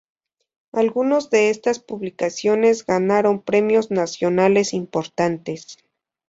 Algunos de estas publicaciones ganaron premios nacionales importantes.